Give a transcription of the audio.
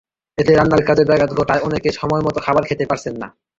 এতে রান্নার কাজে ব্যাঘাত ঘটায় অনেকেই সময়মতো খাবার খেতে পারছেন না।